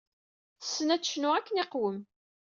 Tessen ad tecnu akken iqwem.